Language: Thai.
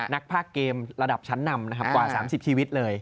นักภาคเกมระดับชั้นนำนะครับกว่า๓๐ชีวิตเลย